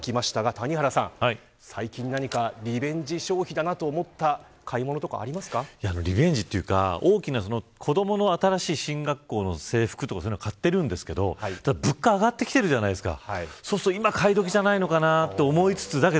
谷原さん、最近、何かリベンジ消費だなと思ったリベンジというか子どもの新しい、進学した学校の制服とか買ってるんですけど物価が上がってきているじゃないですか。